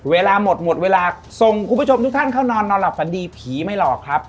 เวลาหมดหมดเวลาส่งคุณผู้ชมทุกท่านเข้านอนนอนหลับฝันดีผีไม่หลอกครับ